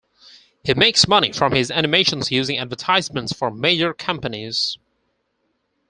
He makes money from his animations using advertisements for major companies.